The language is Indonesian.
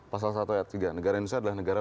pasal satu ayat tiga negara indonesia adalah negara